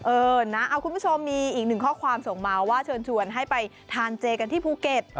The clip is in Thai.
เออนะเอาคุณผู้ชมมีอีกหนึ่งข้อความส่งมาว่าเชิญชวนให้ไปทานเจกันที่ภูเก็ต